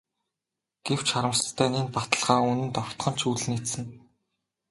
Гэвч харамсалтай нь энэ баталгаа үнэнд огтхон ч үл нийцнэ.